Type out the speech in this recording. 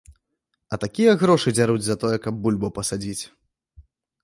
А такія грошы дзяруць за тое, каб бульбу пасадзіць!